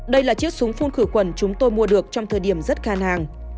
đây là chiếc súng phun khử khuẩn chúng tôi mua được trong thời điểm rất khán hàng